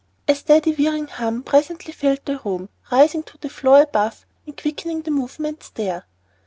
A steady whirring hum presently filled the room, rising to the floor above and quickening the movements there.